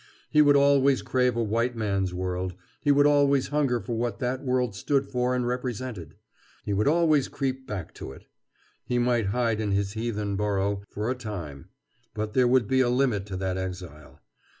He would always crave a white man's world; he would always hunger for what that world stood for and represented. He would always creep back to it. He might hide in his heathen burrow, for a time; but there would be a limit to that exile.